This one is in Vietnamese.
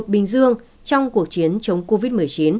bình dương trong cuộc chiến chống covid một mươi chín